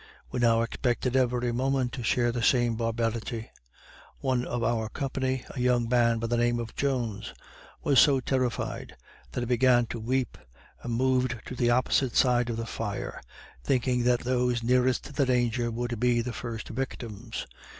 We now expected every moment to share the same barbarity. One of our company, a young man by the name of Jones, was so terified that he began to weep, and moved to the opposite side of the fire, thinking that those nearest the danger would be the first victims.